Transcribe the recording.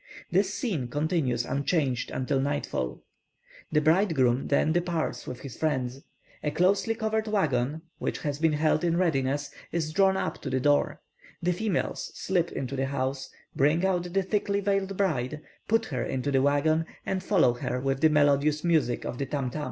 This scene continues unchanged until nightfall. The bridegroom then departs with his friends; a closely covered waggon, which has been held in readiness, is drawn up to the door; the females slip into the house, bring out the thickly veiled bride, push her into the waggon, and follow her with the melodious music of the tam tam.